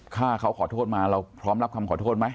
ฆ่าเขาขอโทษมาเราพร้อมรับคำขอโทษไหม